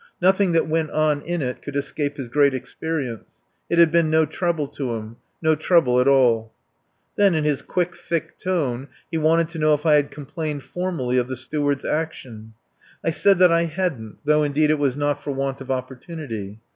Nothing that went on in it could escape his great experience. It had been no trouble to him. No trouble at all. Then in his quiet, thick tone he wanted to know if I had complained formally of the Steward's action. I said that I hadn't though, indeed, it was not for want of opportunity.